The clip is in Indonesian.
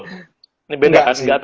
ini beda ya